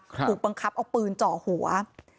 ถูกบังคับเอาปืนจ่อโหวะ